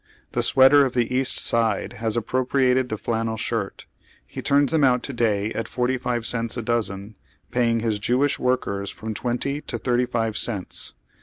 The sweater of the East Side has appropriated the flannel shirt. He turns them ont to day at forty five cents a dozen, paying his Jewisli workers from twenty to thirty five cents.